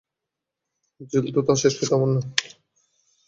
জিল তোর শেষকৃত্য, আমার না।